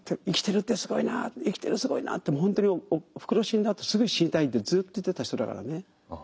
「生きてるってすごいなあ生きてるすごいなあ」ってもう本当におふくろ死んだあとすぐ死にたいってずっと言ってた人だからね。